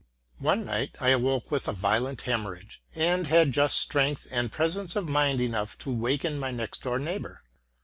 One night I awoke with a violent hemorrhage, and had just strength and presence of mind enough to waken my next room neighbor.